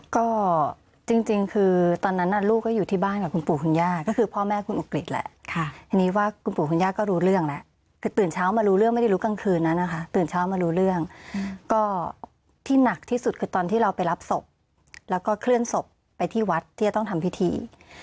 ก็จริงคือตอนนั้นน่ะลูกก็อยู่ที่บ้านกับคุณปู่คุณย่าก็คือพ่อแม่คุณอุกฤษแหละทีนี้ว่าคุณปู่คุณย่าก็รู้เรื่องแล้วคือตื่นเช้ามารู้เรื่องไม่ได้รู้กลางคืนนั้นนะคะตื่นเช้ามารู้เรื่องก็ที่หนักที่สุดคือตอนที่เราไปรับศพแล้วก็เคลื่อนศพไปที่วัดที่จะต้องทำพิธี